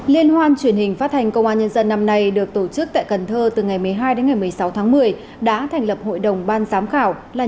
liên hoan truyền hình phát thanh công an nhân dân năm nay được tổ chức tại cần thơ từ ngày một mươi hai đến ngày một mươi sáu tháng một mươi đã thành lập hội đồng ban giám khảo